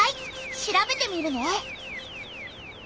調べてみるね。